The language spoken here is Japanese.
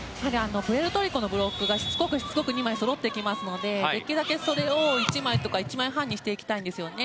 プエルトリコのブロックがしつこく２枚そろってきますのでできるだけ１枚とか１枚半にしたいんですね。